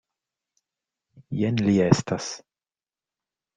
Jen li estas.